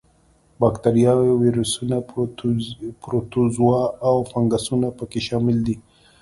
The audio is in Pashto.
با کتریاوې، ویروسونه، پروتوزوا او فنګسونه په کې شامل دي.